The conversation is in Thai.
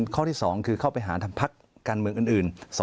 ข้อที่สองคือเข้าไปหาภักดิ์กันเมืองอื่นสอ